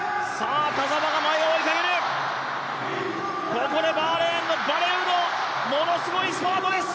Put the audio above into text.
ここでバーレーンのバレウのものすごいスパートです！